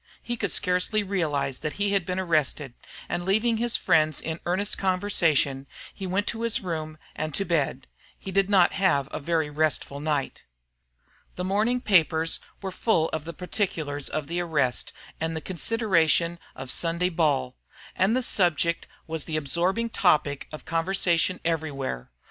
He could scarcely realize that he had been arrested; and leaving his friends in earnest conversation, he went to his room and to bed. He did not have a very restful night. The morning papers were full of the particulars of the arrest and the consideration of Sunday ball; and the subject was the absorbing topic of conversation everywhere.